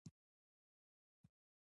یاقوت د افغانانو د تفریح یوه وسیله ده.